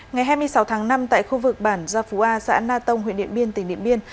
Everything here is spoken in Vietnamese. ngày hai mươi sáu tháng năm tại khu vực bản gia phú a xã na tông huyện điện biên tỉnh điện biên